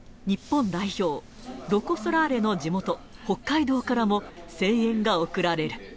日本代表、ロコ・ソラーレの地元、北海道からも声援が送られる。